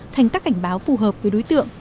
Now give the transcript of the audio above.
thành các cảnh báo phù hợp với đối tượng